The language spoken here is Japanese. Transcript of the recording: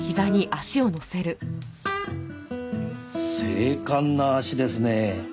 精悍な足ですねぇ。